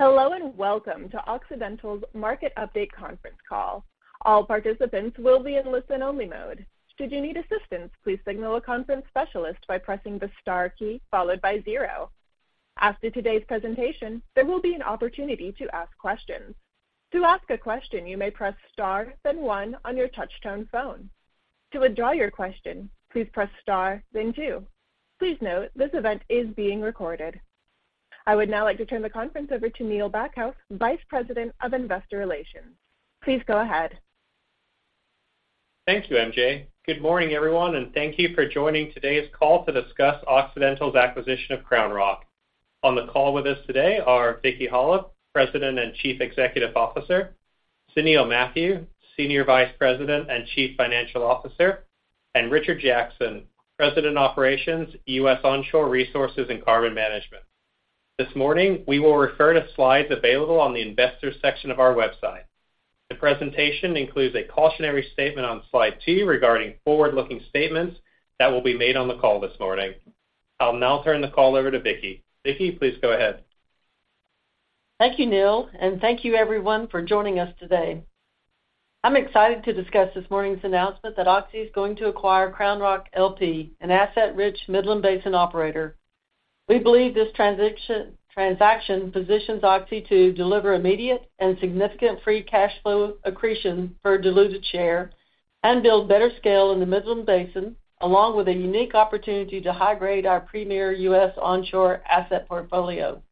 Hello, and welcome to Occidental's Market Update conference call. All participants will be in listen-only mode. Should you need assistance, please signal a conference specialist by pressing the star key followed by 0. After today's presentation, there will be an opportunity to ask questions. To ask a question, you may press star, then 1 on your touchtone phone. To withdraw your question, please press star, then 2. Please note, this event is being recorded. I would now like to turn the conference over to Neil Backhouse, Vice President of Investor Relations. Please go ahead. Thank you, MJ. Good morning, everyone, and thank you for joining today's call to discuss Occidental's acquisition of CrownRock. On the call with us today are Vicki Hollub, President and Chief Executive Officer, Sunil Mathew, Senior Vice President and Chief Financial Officer, and Richard Jackson, President, Operations, U.S. Onshore Resources and Carbon Management. This morning, we will refer to slides available on the Investors section of our website. The presentation includes a cautionary statement on slide two regarding forward-looking statements that will be made on the call this morning. I'll now turn the call over to Vicki. Vicki, please go ahead. Thank you, Neil, and thank you, everyone, for joining us today. I'm excited to discuss this morning's announcement that Oxy is going to acquire CrownRock LP, an asset-rich Midland Basin operator. We believe this transaction, transaction positions Oxy to deliver immediate and significant free cash flow accretion for diluted share and build better scale in the Midland Basin, along with a unique opportunity to high-grade our premier U.S. onshore asset portfolio.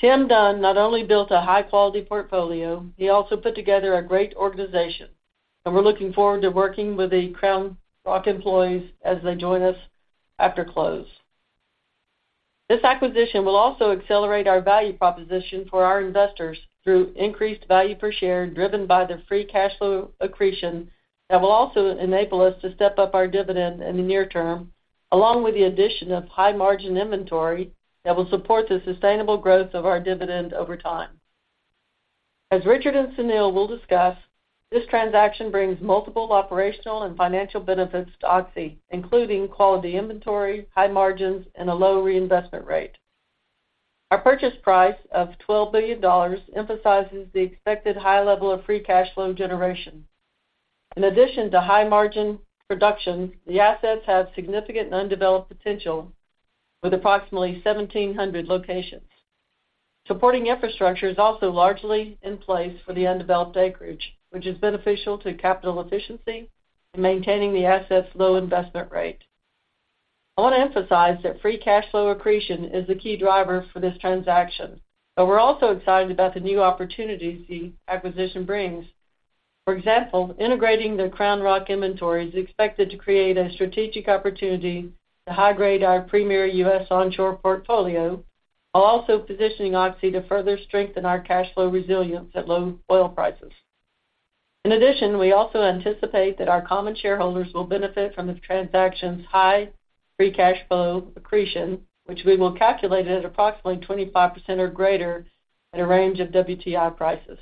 Tim Dunn not only built a high-quality portfolio, he also put together a great organization, and we're looking forward to working with the CrownRock employees as they join us after close. This acquisition will also accelerate our value proposition for our investors through increased value per share, driven by the free cash flow accretion that will also enable us to step up our dividend in the near term, along with the addition of high-margin inventory that will support the sustainable growth of our dividend over time. As Richard and Sunil will discuss, this transaction brings multiple operational and financial benefits to Oxy, including quality inventory, high margins, and a low reinvestment rate. Our purchase price of $12 billion emphasizes the expected high level of free cash flow generation. In addition to high-margin production, the assets have significant undeveloped potential with approximately 1,700 locations. Supporting infrastructure is also largely in place for the undeveloped acreage, which is beneficial to capital efficiency and maintaining the asset's low reinvestment rate. I wanna emphasize that free cash flow accretion is the key driver for this transaction, but we're also excited about the new opportunities the acquisition brings. For example, integrating the CrownRock inventory is expected to create a strategic opportunity to high-grade our premier U.S. onshore portfolio, while also positioning Oxy to further strengthen our cash flow resilience at low oil prices. In addition, we also anticipate that our common shareholders will benefit from the transaction's high free cash flow accretion, which we will calculate at approximately 25% or greater at a range of WTI prices.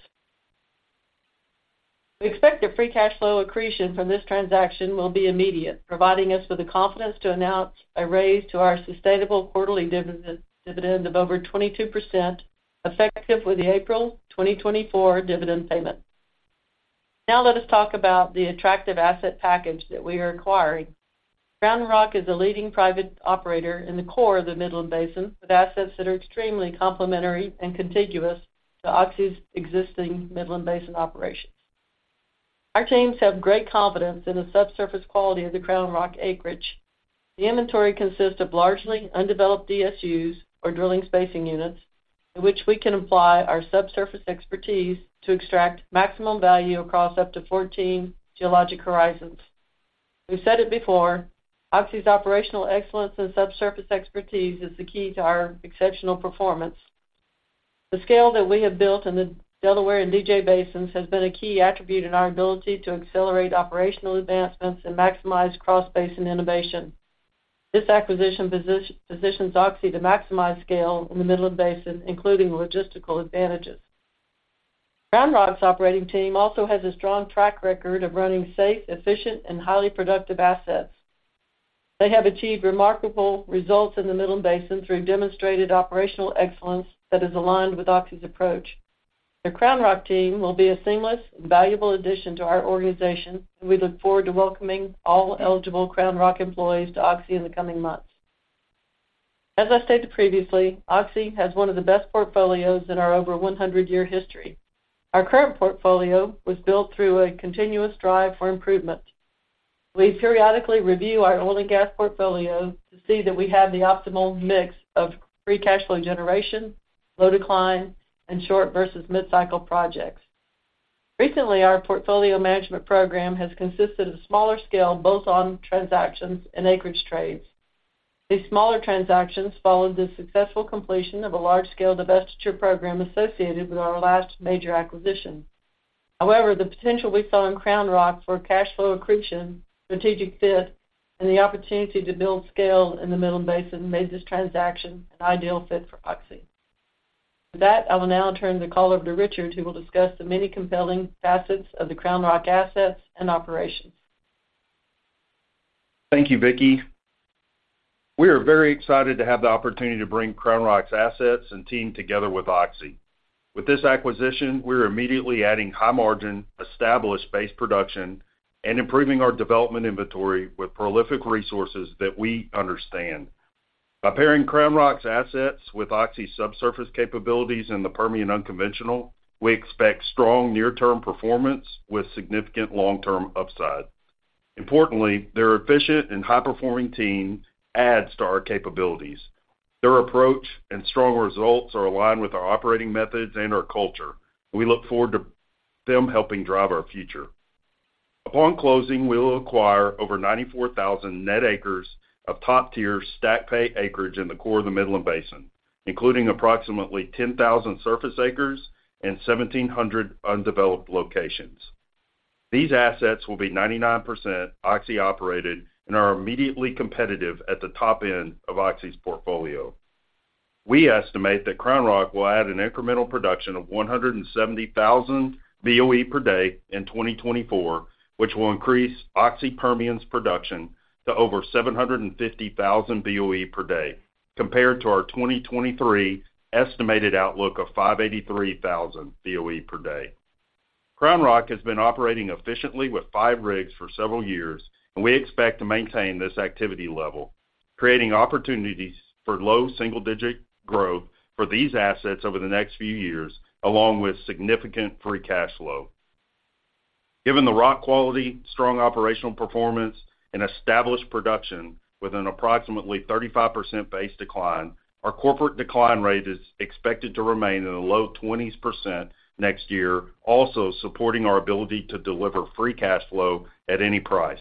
We expect the free cash flow accretion from this transaction will be immediate, providing us with the confidence to announce a raise to our sustainable quarterly dividend, dividend of over 22%, effective with the April 2024 dividend payment. Now let us talk about the attractive asset package that we are acquiring. CrownRock is a leading private operator in the core of the Midland Basin, with assets that are extremely complementary and contiguous to Oxy's existing Midland Basin operations. Our teams have great confidence in the subsurface quality of the CrownRock acreage. The inventory consists of largely undeveloped DSUs, or drilling spacing units, in which we can apply our subsurface expertise to extract maximum value across up to 14 geologic horizons. We've said it before, Oxy's operational excellence and subsurface expertise is the key to our exceptional performance. The scale that we have built in the Delaware and DJ basins has been a key attribute in our ability to accelerate operational advancements and maximize cross-basin innovation. This acquisition positions Oxy to maximize scale in the Midland Basin, including logistical advantages. CrownRock's operating team also has a strong track record of running safe, efficient, and highly productive assets. They have achieved remarkable results in the Midland Basin through demonstrated operational excellence that is aligned with Oxy's approach. The CrownRock team will be a seamless and valuable addition to our organization, and we look forward to welcoming all eligible CrownRock employees to Oxy in the coming months. As I stated previously, Oxy has one of the best portfolios in our over 100-year history. Our current portfolio was built through a continuous drive for improvement. We periodically review our oil and gas portfolio to see that we have the optimal mix of free cash flow generation, low decline, and short versus mid-cycle projects. Recently, our portfolio management program has consisted of smaller scale, bolt-on transactions and acreage trades. These smaller transactions followed the successful completion of a large-scale divestiture program associated with our last major acquisition. However, the potential we saw in CrownRock for cash flow accretion, strategic fit, and the opportunity to build scale in the Midland Basin made this transaction an ideal fit for Oxy. With that, I will now turn the call over to Richard, who will discuss the many compelling facets of the CrownRock assets and operations. Thank you, Vicki. We are very excited to have the opportunity to bring CrownRock's assets and team together with Oxy. With this acquisition, we're immediately adding high margin, established base production, and improving our development inventory with prolific resources that we understand. By pairing CrownRock's assets with Oxy's subsurface capabilities in the Permian unconventional, we expect strong near-term performance with significant long-term upside. Importantly, their efficient and high-performing team adds to our capabilities. Their approach and strong results are aligned with our operating methods and our culture. We look forward to them helping drive our future. Upon closing, we will acquire over 94,000 net acres of top-tier stacked pay acreage in the core of the Midland Basin, including approximately 10,000 surface acres and 1,700 undeveloped locations. These assets will be 99% Oxy-operated and are immediately competitive at the top end of Oxy's portfolio. We estimate that CrownRock will add an incremental production of 170,000 BOE per day in 2024, which will increase Oxy Permian's production to over 750,000 BOE per day, compared to our 2023 estimated outlook of 583,000 BOE per day. CrownRock has been operating efficiently with 5 rigs for several years, and we expect to maintain this activity level, creating opportunities for low single-digit growth for these assets over the next few years, along with significant free cash flow. Given the rock quality, strong operational performance, and established production with an approximately 35% base decline, our corporate decline rate is expected to remain in the low 20s% next year, also supporting our ability to deliver free cash flow at any price.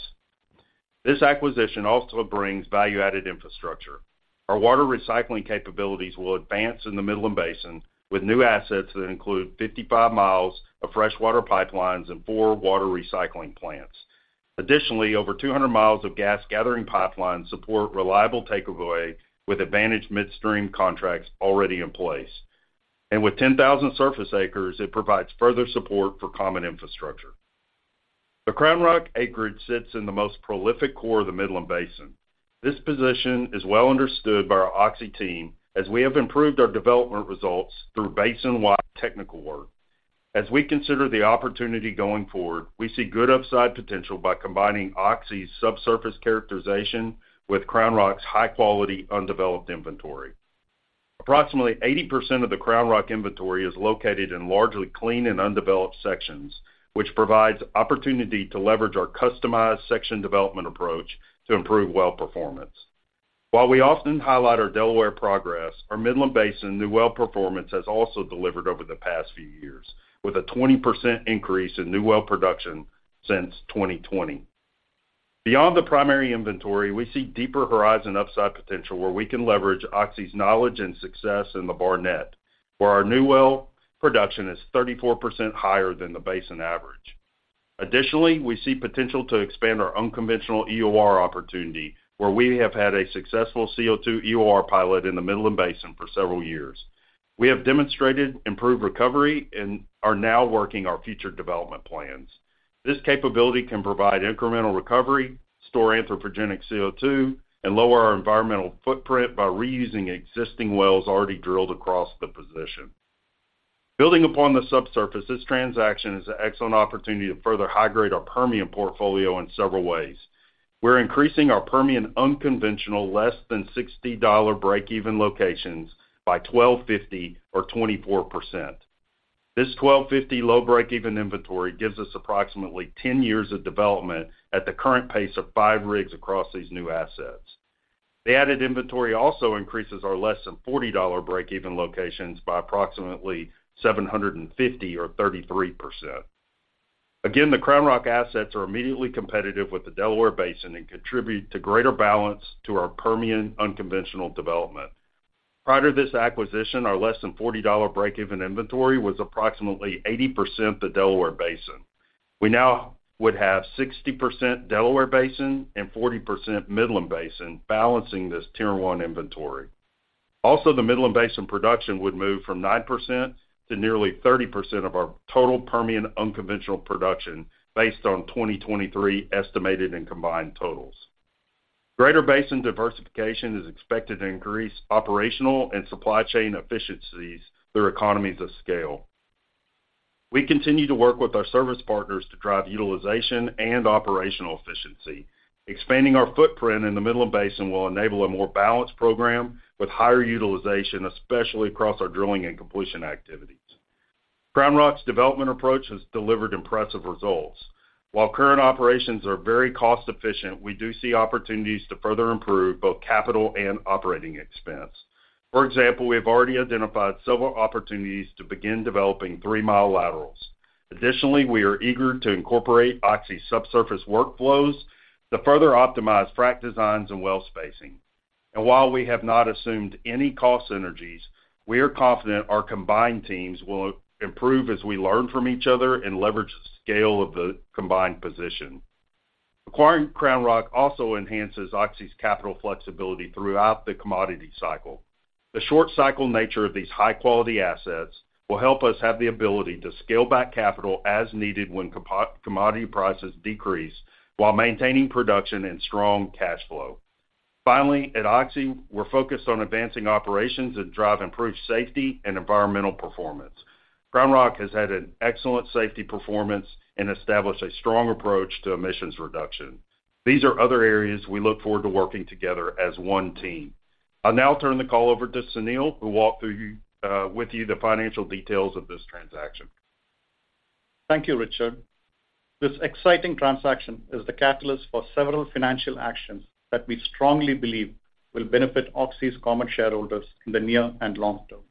This acquisition also brings value-added infrastructure. Our water recycling capabilities will advance in the Midland Basin, with new assets that include 55 miles of freshwater pipelines and 4 water recycling plants. Additionally, over 200 miles of gas gathering pipelines support reliable takeaway, with advantaged midstream contracts already in place. With 10,000 surface acres, it provides further support for common infrastructure. The CrownRock acreage sits in the most prolific core of the Midland Basin. This position is well understood by our Oxy team, as we have improved our development results through basin-wide technical work. As we consider the opportunity going forward, we see good upside potential by combining Oxy's subsurface characterization with CrownRock's high-quality, undeveloped inventory. Approximately 80% of the CrownRock inventory is located in largely clean and undeveloped sections, which provides opportunity to leverage our customized section development approach to improve well performance. While we often highlight our Delaware progress, our Midland Basin new well performance has also delivered over the past few years, with a 20% increase in new well production since 2020. Beyond the primary inventory, we see deeper horizon upside potential where we can leverage Oxy's knowledge and success in the Barnett, where our new well production is 34% higher than the basin average. Additionally, we see potential to expand our unconventional EOR opportunity, where we have had a successful CO2 EOR pilot in the Midland Basin for several years. We have demonstrated improved recovery and are now working our future development plans. This capability can provide incremental recovery, store anthropogenic CO2, and lower our environmental footprint by reusing existing wells already drilled across the position. Building upon the subsurface, this transaction is an excellent opportunity to further high-grade our Permian portfolio in several ways. We're increasing our Permian unconventional less than $60 breakeven locations by 1,250 or 24%. This 1,250 low breakeven inventory gives us approximately 10 years of development at the current pace of 5 rigs across these new assets. The added inventory also increases our less than $40 breakeven locations by approximately 750 or 33%. Again, the CrownRock assets are immediately competitive with the Delaware Basin and contribute to greater balance to our Permian unconventional development. Prior to this acquisition, our less than $40 breakeven inventory was approximately 80% the Delaware Basin. We now would have 60% Delaware Basin and 40% Midland Basin balancing this Tier 1 inventory. Also, the Midland Basin production would move from 9% to nearly 30% of our total Permian unconventional production based on 2023 estimated and combined totals. Greater basin diversification is expected to increase operational and supply chain efficiencies through economies of scale. We continue to work with our service partners to drive utilization and operational efficiency. Expanding our footprint in the Midland Basin will enable a more balanced program with higher utilization, especially across our drilling and completion activities. CrownRock's development approach has delivered impressive results. While current operations are very cost efficient, we do see opportunities to further improve both capital and operating expense. For example, we have already identified several opportunities to begin developing 3-mile laterals. Additionally, we are eager to incorporate Oxy's subsurface workflows to further optimize frac designs and well spacing. And while we have not assumed any cost synergies, we are confident our combined teams will improve as we learn from each other and leverage the scale of the combined position. Acquiring CrownRock also enhances Oxy's capital flexibility throughout the commodity cycle. The short cycle nature of these high-quality assets will help us have the ability to scale back capital as needed when commodity prices decrease, while maintaining production and strong cash flow. Finally, at Oxy, we're focused on advancing operations that drive improved safety and environmental performance. CrownRock has had an excellent safety performance and established a strong approach to emissions reduction. These are other areas we look forward to working together as one team. I'll now turn the call over to Sunil, who'll walk you through the financial details of this transaction. Thank you, Richard. This exciting transaction is the catalyst for several financial actions that we strongly believe will benefit Oxy's common shareholders in the near and long term.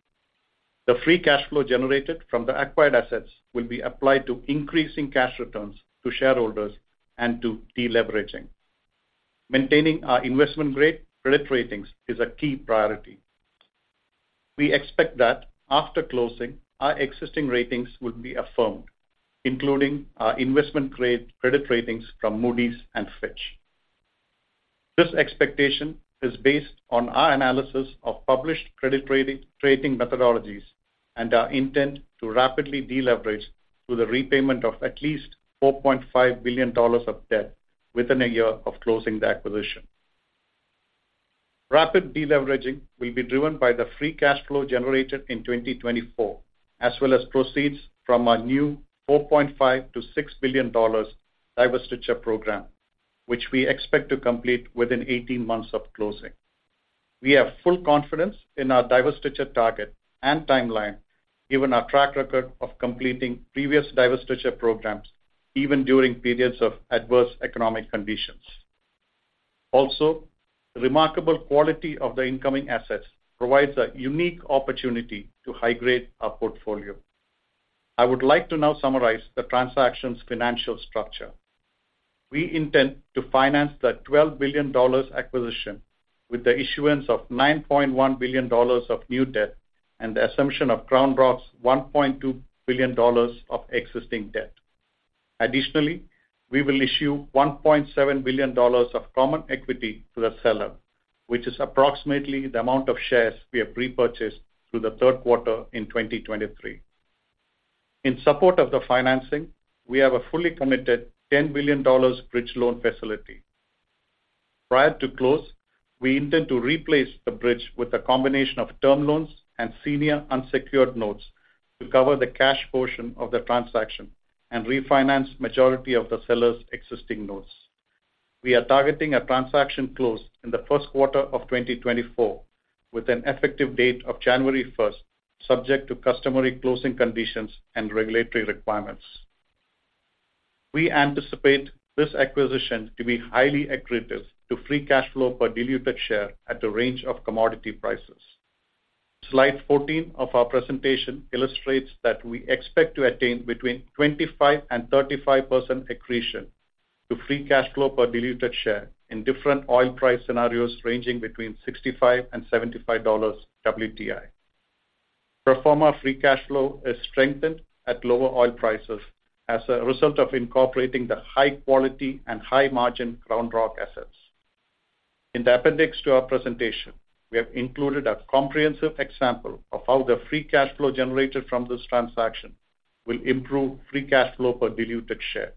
The free cash flow generated from the acquired assets will be applied to increasing cash returns to shareholders and to deleveraging. Maintaining our investment-grade credit ratings is a key priority. We expect that after closing, our existing ratings will be affirmed, including our investment-grade credit ratings from Moody's and Fitch. This expectation is based on our analysis of published credit rating, rating methodologies, and our intent to rapidly deleverage through the repayment of at least $4.5 billion of debt within a year of closing the acquisition. Rapid deleveraging will be driven by the free cash flow generated in 2024, as well as proceeds from our new $4.5 billion-$6 billion divestiture program, which we expect to complete within 18 months of closing. We have full confidence in our divestiture target and timeline, given our track record of completing previous divestiture programs, even during periods of adverse economic conditions. Also, the remarkable quality of the incoming assets provides a unique opportunity to high-grade our portfolio. I would like to now summarize the transaction's financial structure. We intend to finance the $12 billion acquisition with the issuance of $9.1 billion of new debt and the assumption of CrownRock's $1.2 billion of existing debt. Additionally, we will issue $1.7 billion of common equity to the seller, which is approximately the amount of shares we have repurchased through the third quarter in 2023. In support of the financing, we have a fully committed $10 billion bridge loan facility. Prior to close, we intend to replace the bridge with a combination of term loans and senior unsecured notes to cover the cash portion of the transaction and refinance majority of the seller's existing notes. We are targeting a transaction close in the first quarter of 2024, with an effective date of January 1, subject to customary closing conditions and regulatory requirements. We anticipate this acquisition to be highly accretive to free cash flow per diluted share at a range of commodity prices. Slide 14 of our presentation illustrates that we expect to attain between 25% and 35% accretion to free cash flow per diluted share in different oil price scenarios ranging between $65 and $75 WTI. Pro forma free cash flow is strengthened at lower oil prices as a result of incorporating the high quality and high-margin CrownRock assets. In the appendix to our presentation, we have included a comprehensive example of how the free cash flow generated from this transaction will improve free cash flow per diluted share.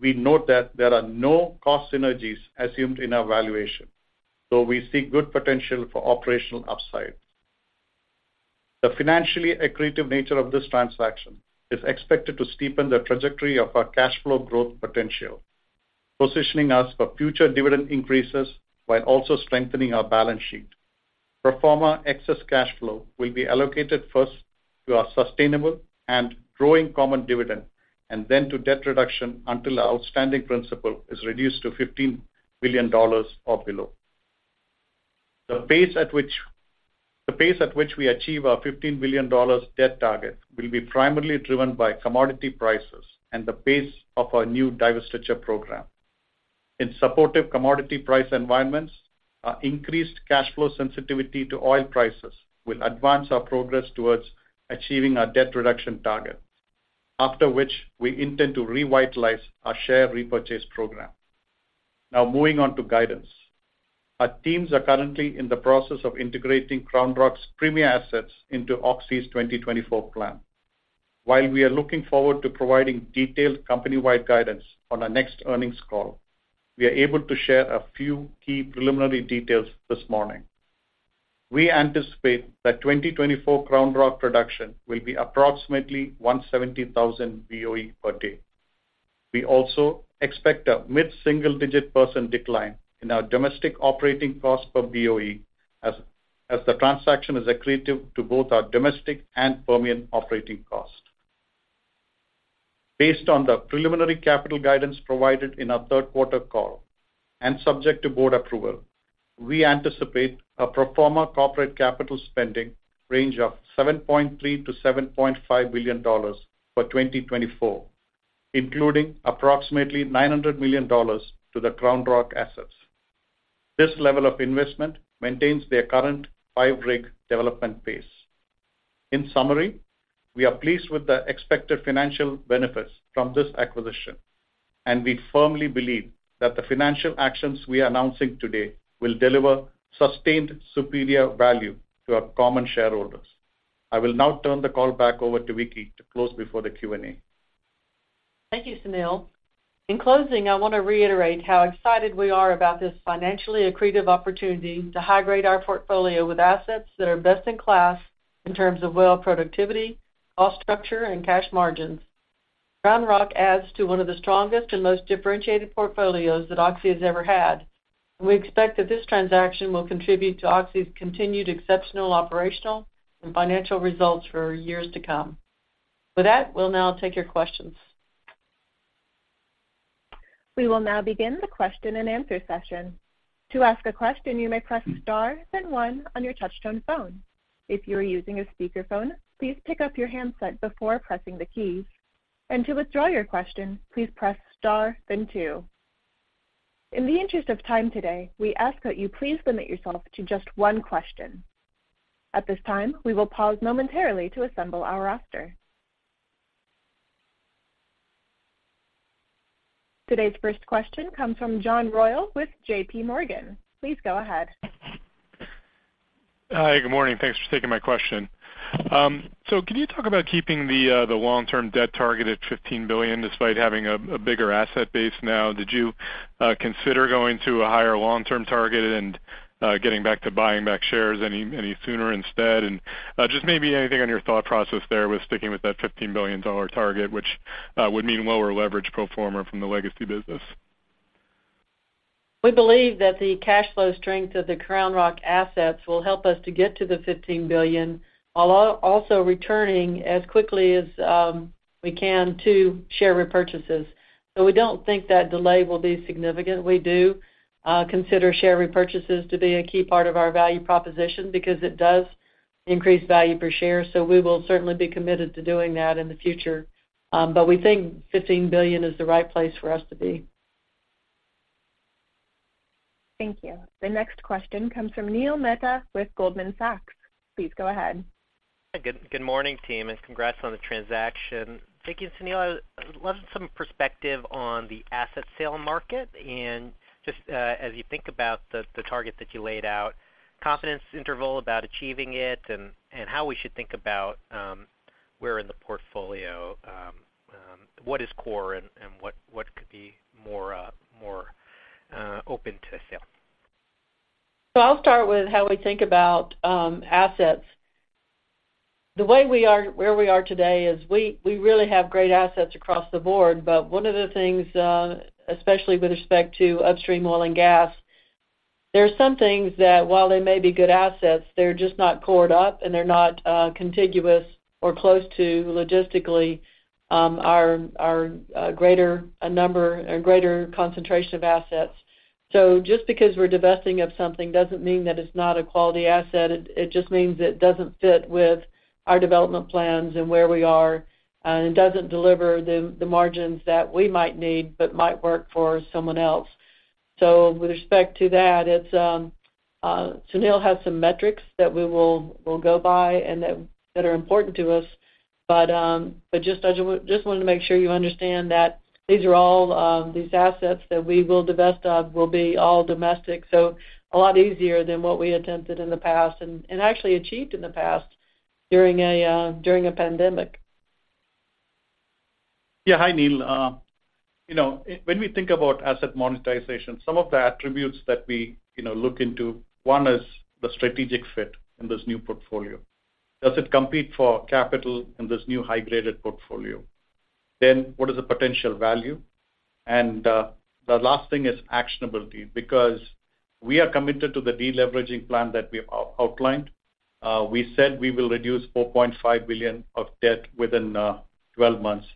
We note that there are no cost synergies assumed in our valuation, so we see good potential for operational upside. The financially accretive nature of this transaction is expected to steepen the trajectory of our cash flow growth potential, positioning us for future dividend increases while also strengthening our balance sheet. Pro forma excess cash flow will be allocated first to our sustainable and growing common dividend, and then to debt reduction until our outstanding principal is reduced to $15 billion or below. The pace at which we achieve our $15 billion debt target will be primarily driven by commodity prices and the pace of our new divestiture program. In supportive commodity price environments, our increased cash flow sensitivity to oil prices will advance our progress towards achieving our debt reduction target, after which we intend to revitalize our share repurchase program. Now, moving on to guidance. Our teams are currently in the process of integrating CrownRock's premier assets into Oxy's 2024 plan. While we are looking forward to providing detailed company-wide guidance on our next earnings call, we are able to share a few key preliminary details this morning. We anticipate that 2024 CrownRock production will be approximately 170,000 BOE per day. We also expect a mid-single-digit % decline in our domestic operating cost per BOE as the transaction is accretive to both our domestic and Permian operating cost. Based on the preliminary capital guidance provided in our third quarter call, and subject to board approval, we anticipate a pro forma corporate capital spending range of $7.3 billion-$7.5 billion for 2024, including approximately $900 million to the CrownRock assets. This level of investment maintains their current 5-rig development pace.... In summary, we are pleased with the expected financial benefits from this acquisition, and we firmly believe that the financial actions we are announcing today will deliver sustained superior value to our common shareholders. I will now turn the call back over to Vicki to close before the Q&A. Thank you, Sunil. In closing, I want to reiterate how excited we are about this financially accretive opportunity to high-grade our portfolio with assets that are best-in-class in terms of well productivity, cost structure, and cash margins. CrownRock adds to one of the strongest and most differentiated portfolios that Oxy has ever had, and we expect that this transaction will contribute to Oxy's continued exceptional operational and financial results for years to come. With that, we'll now take your questions. We will now begin the question-and-answer session. To ask a question, you may press star, then one on your touchtone phone. If you are using a speakerphone, please pick up your handset before pressing the keys. To withdraw your question, please press star, then two. In the interest of time today, we ask that you please limit yourself to just one question. At this time, we will pause momentarily to assemble our roster. Today's first question comes from John Royall with JPMorgan. Please go ahead. Hi, good morning. Thanks for taking my question. So can you talk about keeping the long-term debt target at $15 billion despite having a bigger asset base now? Did you consider going to a higher long-term target and getting back to buying back shares any sooner instead? And just maybe anything on your thought process there with sticking with that $15 billion target, which would mean lower leverage pro forma from the legacy business. We believe that the cash flow strength of the CrownRock assets will help us to get to the $15 billion, while also returning as quickly as we can to share repurchases. So we don't think that delay will be significant. We do consider share repurchases to be a key part of our value proposition because it does increase value per share, so we will certainly be committed to doing that in the future. But we think $15 billion is the right place for us to be. Thank you. The next question comes from Neil Mehta with Goldman Sachs. Please go ahead. Hi, good morning, team, and congrats on the transaction. Thank you, Sunil. I'd love some perspective on the asset sale market, and just as you think about the target that you laid out, confidence interval about achieving it and how we should think about where in the portfolio what is core and what could be more open to sale? So I'll start with how we think about assets. Where we are today is we really have great assets across the board, but one of the things, especially with respect to upstream oil and gas, there are some things that, while they may be good assets, they're just not cored up, and they're not contiguous or close to, logistically, our greater number or greater concentration of assets. So just because we're divesting of something doesn't mean that it's not a quality asset. It just means it doesn't fit with our development plans and where we are, and doesn't deliver the margins that we might need, but might work for someone else. So with respect to that, it's Sunil has some metrics that we will go by and that are important to us. But just wanted to make sure you understand that these are all these assets that we will divest of will be all domestic, so a lot easier than what we attempted in the past and actually achieved in the past during a pandemic. Yeah. Hi, Neil. You know, when we think about asset monetization, some of the attributes that we, you know, look into, one is the strategic fit in this new portfolio. Does it compete for capital in this new high-graded portfolio? Then, what is the potential value? And, the last thing is actionability, because we are committed to the deleveraging plan that we outlined. We said we will reduce $4.5 billion of debt within 12 months,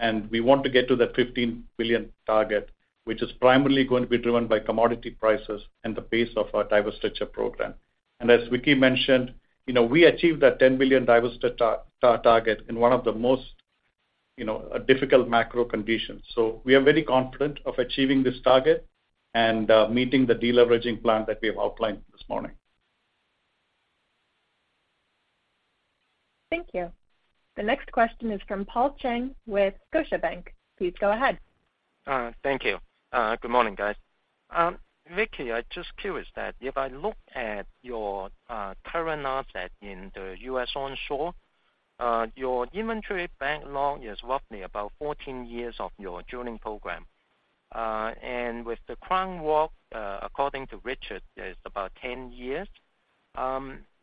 and we want to get to the $15 billion target, which is primarily going to be driven by commodity prices and the pace of our divestiture program. And as Vicki mentioned, you know, we achieved that $10 billion divestiture target in one of the most, you know, difficult macro conditions. So we are very confident of achieving this target and meeting the deleveraging plan that we have outlined this morning. Thank you. The next question is from Paul Cheng with Scotiabank. Please go ahead. Thank you. Good morning, guys. Vicki, I'm just curious that if I look at your current asset in the U.S. onshore, your inventory backlog is roughly about 14 years of your drilling program. And with the CrownRock, according to Richard, it's about 10 years.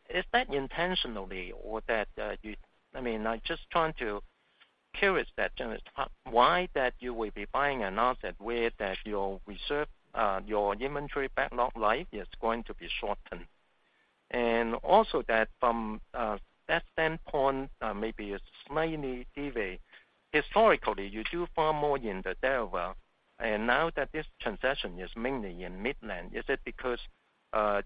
Is that intentionally or that, you-- I mean, I'm just trying to curious that, why that you will be buying an asset where that your reserve, your inventory backlog life is going to be shortened? And also that from that standpoint, maybe a slightly deviate. Historically, you do far more in the Delaware, and now that this transaction is mainly in Midland, is it because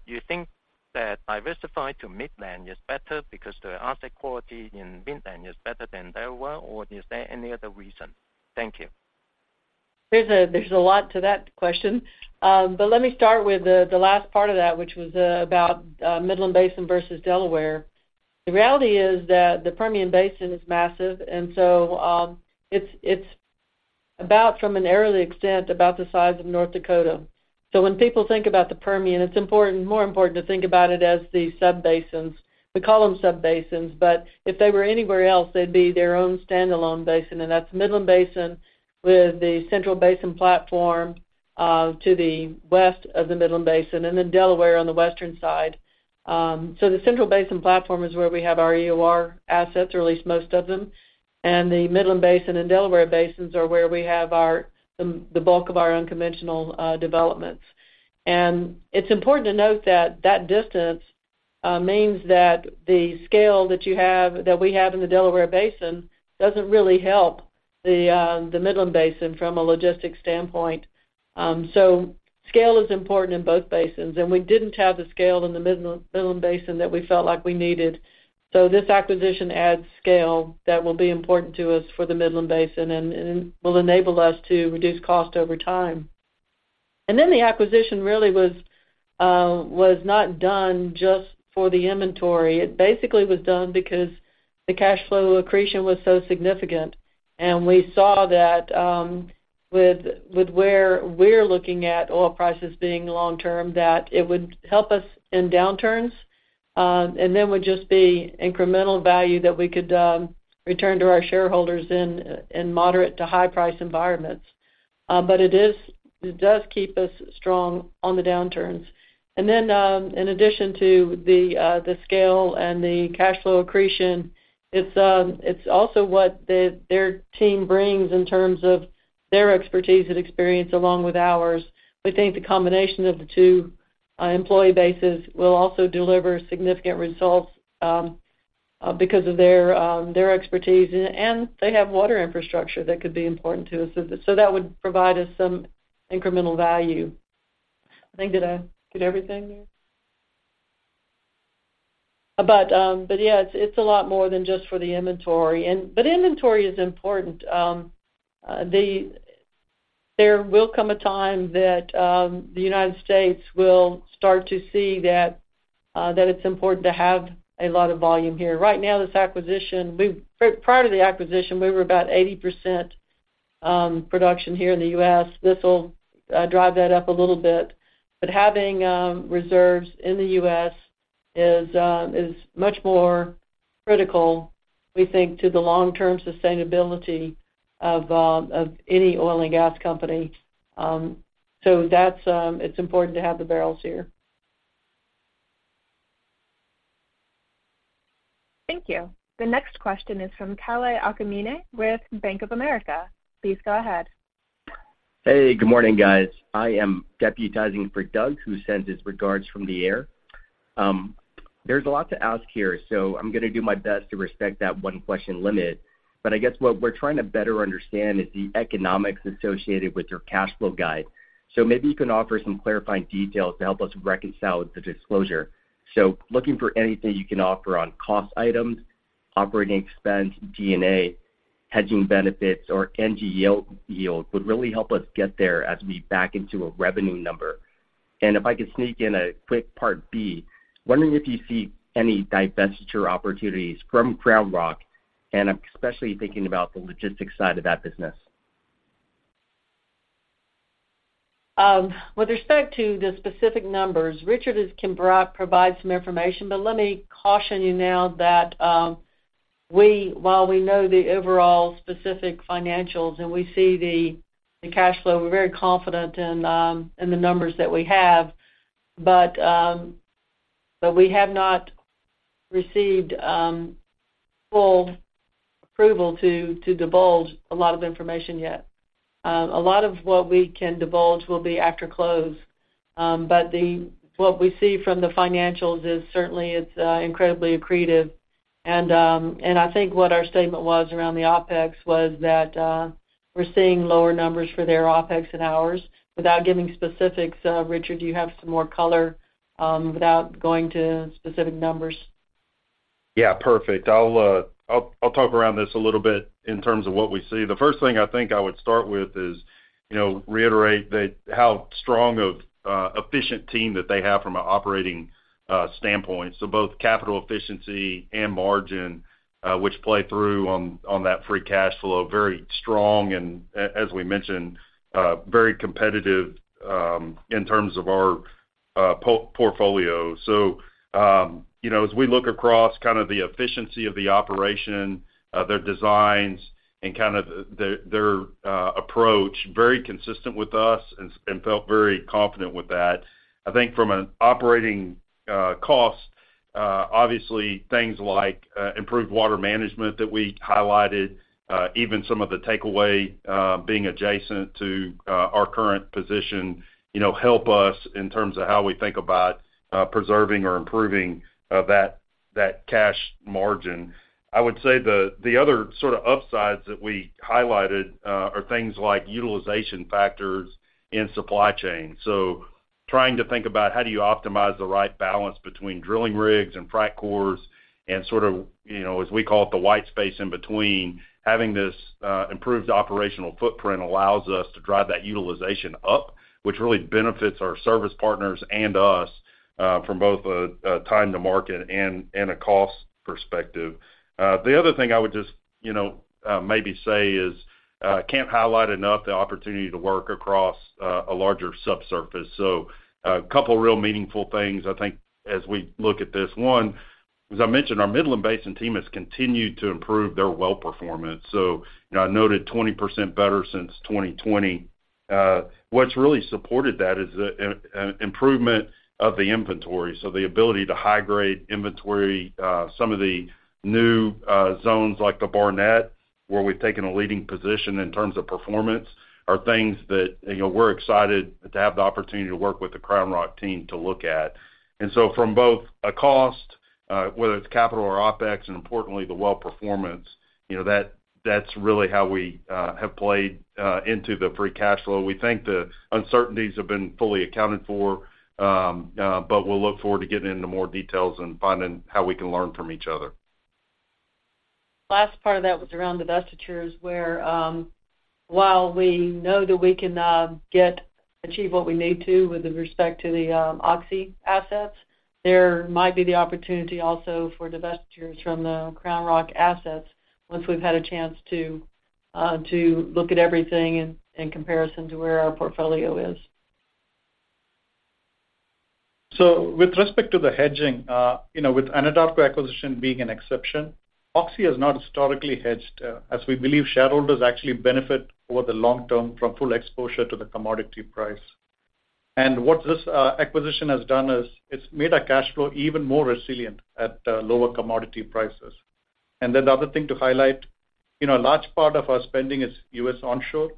you think that diversify to Midland is better because the asset quality in Midland is better than Delaware, or is there any other reason? Thank you.... There's a lot to that question. But let me start with the last part of that, which was about Midland Basin versus Delaware. The reality is that the Permian Basin is massive, and so it's about from an areal extent, about the size of North Dakota. So when people think about the Permian, it's important, more important to think about it as the subbasins. We call them subbasins, but if they were anywhere else, they'd be their own standalone basin, and that's Midland Basin with the Central Basin Platform to the west of the Midland Basin, and then Delaware on the western side. So the Central Basin Platform is where we have our EOR assets, or at least most of them, and the Midland Basin and Delaware Basins are where we have our the bulk of our unconventional developments. And it's important to note that that distance means that the scale that you have, that we have in the Delaware Basin doesn't really help the the Midland Basin from a logistics standpoint. So scale is important in both basins, and we didn't have the scale in the Midland Basin that we felt like we needed. So this acquisition adds scale that will be important to us for the Midland Basin and, and will enable us to reduce cost over time. And then the acquisition really was was not done just for the inventory. It basically was done because the cash flow accretion was so significant, and we saw that, with where we're looking at oil prices being long term, that it would help us in downturns, and then would just be incremental value that we could return to our shareholders in moderate to high price environments. But it is. It does keep us strong on the downturns. And then, in addition to the scale and the cash flow accretion, it's also what their team brings in terms of their expertise and experience, along with ours. We think the combination of the two employee bases will also deliver significant results because of their expertise, and they have water infrastructure that could be important to us. So that would provide us some incremental value. I think, did I get everything there? But, but yeah, it's, it's a lot more than just for the inventory, and but inventory is important. There will come a time that, the United States will start to see that, that it's important to have a lot of volume here. Right now, this acquisition, prior to the acquisition, we were about 80% production here in the U.S. This will drive that up a little bit, but having reserves in the U.S. is much more critical, we think, to the long-term sustainability of any oil and gas company. So that's, it's important to have the barrels here. Thank you. The next question is from Kalei Akamine with Bank of America. Please go ahead. Hey, good morning, guys. I am deputizing for Doug, who sends his regards from the air. There's a lot to ask here, so I'm gonna do my best to respect that one question limit. But I guess what we're trying to better understand is the economics associated with your cash flow guide. So maybe you can offer some clarifying details to help us reconcile the disclosure. So looking for anything you can offer on cost items, operating expense, D&A, hedging benefits, or NGL yield, would really help us get there as we back into a revenue number. And if I could sneak in a quick part B, wondering if you see any divestiture opportunities from CrownRock, and I'm especially thinking about the logistics side of that business. With respect to the specific numbers, Richard can provide some information, but let me caution you now that we, while we know the overall specific financials and we see the cash flow, we're very confident in the numbers that we have, but we have not received full approval to divulge a lot of information yet. A lot of what we can divulge will be after close, but what we see from the financials is certainly it's incredibly accretive, and I think what our statement was around the OpEx was that we're seeing lower numbers for their OpEx and ours. Without giving specifics, Richard, do you have some more color without going to specific numbers? Yeah, perfect. I'll talk around this a little bit in terms of what we see. The first thing I think I would start with is, you know, reiterate that how strong of a efficient team that they have from an operating standpoint. So both capital efficiency and margin, which play through on, on that free cash flow, very strong, and as we mentioned, very competitive in terms of our portfolio. So, you know, as we look across kind of the efficiency of the operation, their designs and kind of the, their approach, very consistent with us and, and felt very confident with that. I think from an operating cost, obviously, things like improved water management that we highlighted, even some of the takeaway being adjacent to our current position, you know, help us in terms of how we think about preserving or improving that cash margin. I would say the other sort of upsides that we highlighted are things like utilization factors in supply chain. So, trying to think about how do you optimize the right balance between drilling rigs and frac crews, and sort of, you know, as we call it, the white space in between. Having this improved operational footprint allows us to drive that utilization up, which really benefits our service partners and us from both a time to market and a cost perspective. The other thing I would just, you know, maybe say is, I can't highlight enough the opportunity to work across, a larger subsurface. So a couple of real meaningful things, I think, as we look at this. One, as I mentioned, our Midland Basin team has continued to improve their well performance. So you know, I noted 20% better since 2020. What's really supported that is the improvement of the inventory. So the ability to high-grade inventory, some of the new, zones like the Barnett, where we've taken a leading position in terms of performance, are things that, you know, we're excited to have the opportunity to work with the CrownRock team to look at. And so from both a cost, whether it's capital or OpEx, and importantly, the well performance, you know, that's really how we have played into the free cash flow. We think the uncertainties have been fully accounted for, but we'll look forward to getting into more details and finding how we can learn from each other. Last part of that was around divestitures, where while we know that we can achieve what we need to with respect to the Oxy assets, there might be the opportunity also for divestitures from the CrownRock assets once we've had a chance to look at everything in comparison to where our portfolio is. So with respect to the hedging, you know, with Anadarko acquisition being an exception, Oxy has not historically hedged, as we believe shareholders actually benefit over the long term from full exposure to the commodity price. And what this acquisition has done is it's made our cash flow even more resilient at lower commodity prices. And then the other thing to highlight, you know, a large part of our spending is U.S. onshore,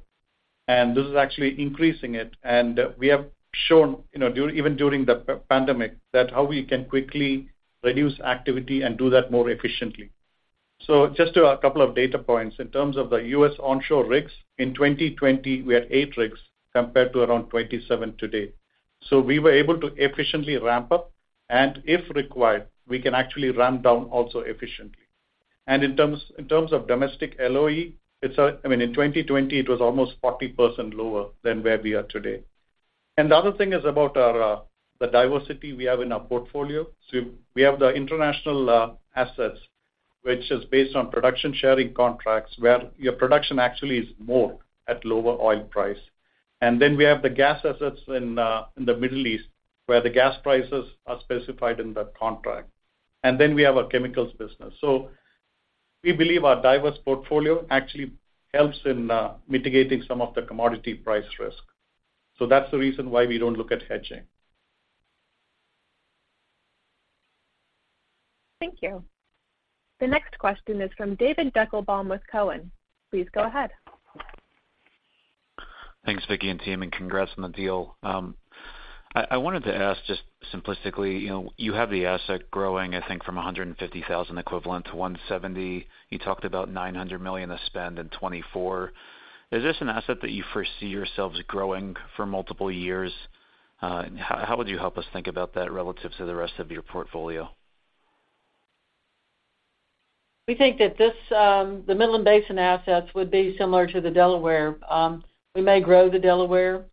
and this is actually increasing it. And we have shown, you know, during, even during the pandemic, that how we can quickly reduce activity and do that more efficiently. So just a couple of data points. In terms of the U.S. onshore rigs, in 2020, we had eight rigs compared to around 27 today. So we were able to efficiently ramp up, and if required, we can actually ramp down also efficiently. And in terms of domestic LOE, it's, I mean, in 2020, it was almost 40% lower than where we are today. And the other thing is about our the diversity we have in our portfolio. So we have the international assets, which is based on production sharing contracts, where your production actually is more at lower oil price. And then we have the gas assets in in the Middle East, where the gas prices are specified in that contract. And then we have our chemicals business. So we believe our diverse portfolio actually helps in mitigating some of the commodity price risk. So that's the reason why we don't look at hedging. Thank you. The next question is from David Deckelbaum with Cowen. Please go ahead. Thanks, Vicki and team, and congrats on the deal. I wanted to ask just simplistically, you know, you have the asset growing, I think, from 150,000 equivalent to 170. You talked about $900 million of spend in 2024. Is this an asset that you foresee yourselves growing for multiple years? How would you help us think about that relative to the rest of your portfolio? We think that this, the Midland Basin assets would be similar to the Delaware. We may grow the Delaware,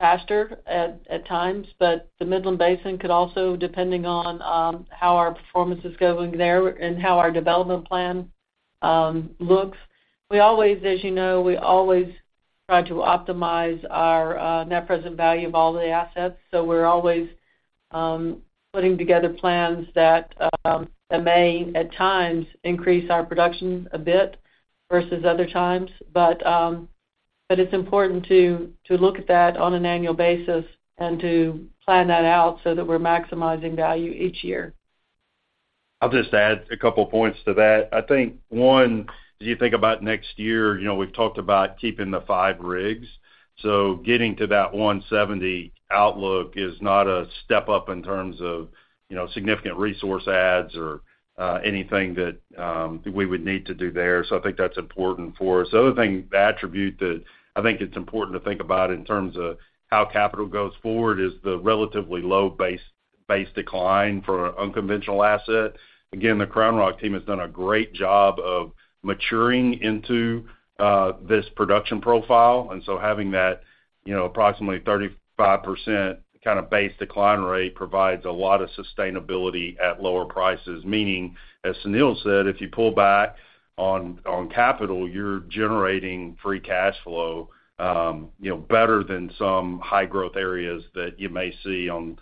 faster at times, but the Midland Basin could also, depending on how our performance is going there and how our development plan looks. We always, as you know, we always try to optimize our net present value of all the assets, so we're always putting together plans that may, at times, increase our production a bit versus other times. But it's important to look at that on an annual basis and to plan that out so that we're maximizing value each year. I'll just add a couple of points to that. I think, one, as you think about next year, you know, we've talked about keeping the 5 rigs, so getting to that 170 outlook is not a step up in terms of, you know, significant resource adds or anything that we would need to do there. So I think that's important for us. The other thing, the attribute that I think it's important to think about in terms of how capital goes forward is the relatively low base decline for unconventional asset. Again, the CrownRock team has done a great job of maturing into this production profile, and so having that, you know, approximately 35% kind of base decline rate provides a lot of sustainability at lower prices. Meaning, as Sunil said, if you pull back on capital, you're generating free cash flow, you know, better than some high-growth areas that you may see on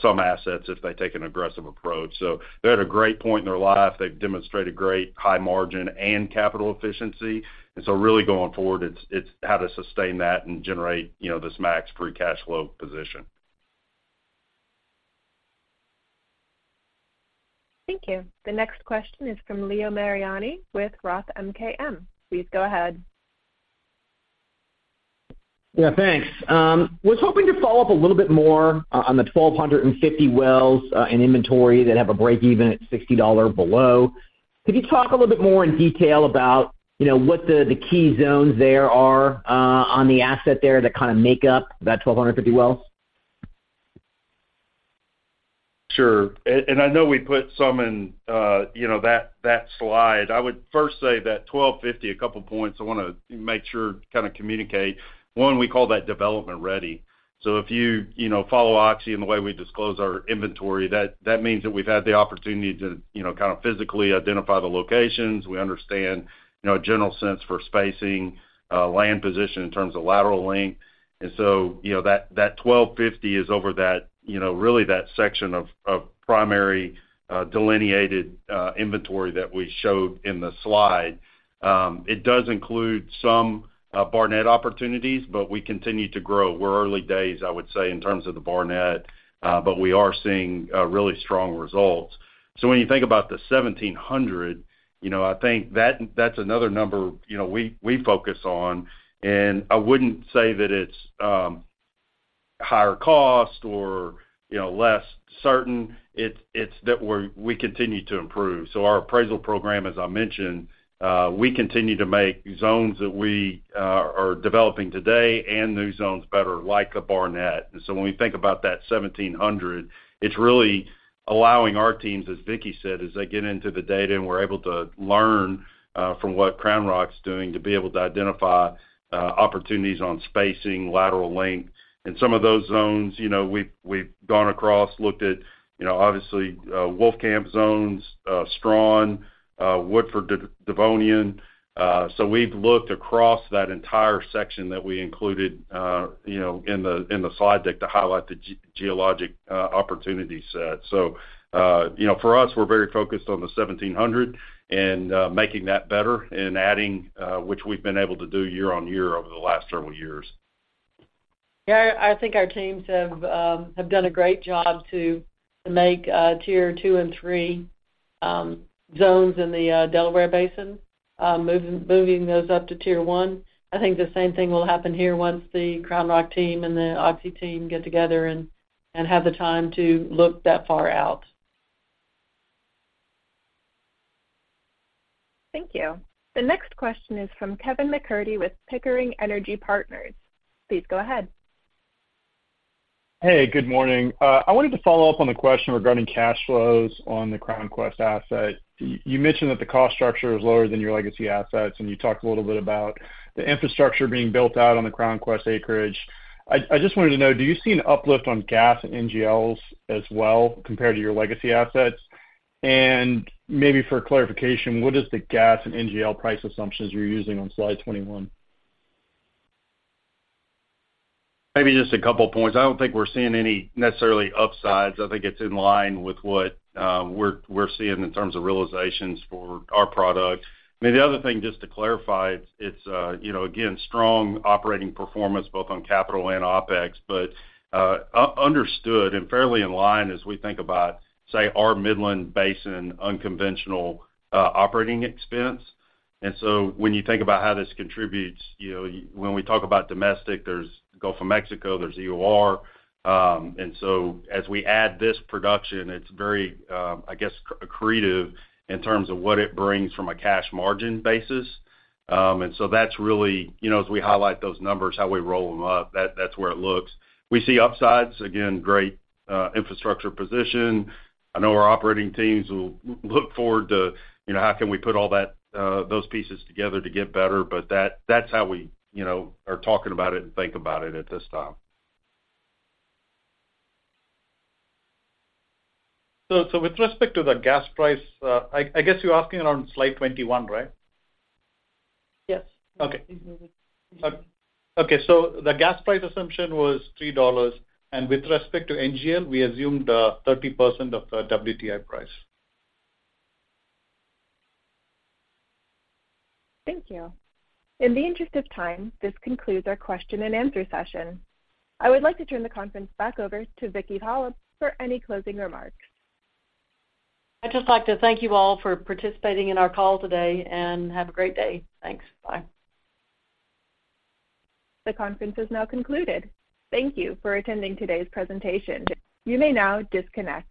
some assets if they take an aggressive approach. So they're at a great point in their life. They've demonstrated great high margin and capital efficiency, and so really going forward, it's how to sustain that and generate, you know, this max free cash flow position. Thank you. The next question is from Leo Mariani with Roth MKM. Please go ahead. Yeah, thanks. Was hoping to follow up a little bit more on the 1,250 wells in inventory that have a break-even at $60 or below.... Could you talk a little bit more in detail about, you know, what the, the key zones there are on the asset there that kinda make up that 1,250 wells? Sure. And I know we put some in, you know, that slide. I would first say that 1,250, a couple points I wanna make sure to kinda communicate. One, we call that development ready. So if you, you know, follow Oxy in the way we disclose our inventory, that means that we've had the opportunity to, you know, kind of physically identify the locations. We understand, you know, a general sense for spacing, land position in terms of lateral length. And so, you know, that 1,250 is over that, you know, really that section of primary delineated inventory that we showed in the slide. It does include some Barnett opportunities, but we continue to grow. We're early days, I would say, in terms of the Barnett, but we are seeing really strong results. So when you think about the 1,700, you know, I think that's another number, you know, we focus on, and I wouldn't say that it's higher cost or, you know, less certain. It's that we continue to improve. So our appraisal program, as I mentioned, we continue to make zones that we are developing today and new zones better, like a Barnett. And so when we think about that 1,700, it's really allowing our teams, as Vicki said, as they get into the data, and we're able to learn from what CrownRock's doing, to be able to identify opportunities on spacing, lateral length. And some of those zones, you know, we've gone across, looked at, you know, obviously, Wolfcamp zones, Strawn, Woodford Devonian. So, we've looked across that entire section that we included, you know, in the slide deck to highlight the geologic opportunity set. So, you know, for us, we're very focused on the 1,700 and making that better and adding, which we've been able to do year-on-year over the last several years. Yeah, I think our teams have done a great job to make tier two and three zones in the Delaware Basin, moving those up to tier one. I think the same thing will happen here once the CrownRock team and the Oxy team get together and have the time to look that far out. Thank you. The next question is from Kevin MacCurdy with Pickering Energy Partners. Please go ahead. Hey, good morning. I wanted to follow up on the question regarding cash flows on the CrownQuest asset. You mentioned that the cost structure is lower than your legacy assets, and you talked a little bit about the infrastructure being built out on the CrownQuest acreage. I just wanted to know, do you see an uplift on gas and NGLs as well, compared to your legacy assets? And maybe for clarification, what is the gas and NGL price assumptions you're using on slide 21? Maybe just a couple of points. I don't think we're seeing any necessarily upsides. I think it's in line with what we're seeing in terms of realizations for our product. I mean, the other thing, just to clarify, it's you know, again, strong operating performance, bolt-on capital and OpEx, but understood and fairly in line as we think about, say, our Midland Basin unconventional operating expense. And so when you think about how this contributes, you know, when we talk about domestic, there's Gulf of Mexico, there's EOR. And so as we add this production, it's very I guess, accretive in terms of what it brings from a cash margin basis. And so that's really, you know, as we highlight those numbers, how we roll them up, that's where it looks. We see upsides, again, great infrastructure position. I know our operating teams will look forward to, you know, how can we put all that, those pieces together to get better, but that's how we, you know, are talking about it and think about it at this time. So, with respect to the gas price, I guess you're asking around slide 21, right? Yes. Okay. Okay, so the gas price assumption was $3, and with respect to NGL, we assumed 30% of the WTI price. Thank you. In the interest of time, this concludes our question-and-answer session. I would like to turn the conference back over to Vicki Hollub for any closing remarks. I'd just like to thank you all for participating in our call today, and have a great day. Thanks. Bye. The conference is now concluded. Thank you for attending today's presentation. You may now disconnect.